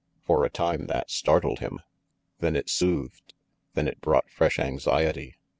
For a time that startled him; then it RANGY PETE 321 soothed; then it brought fresh anxiety.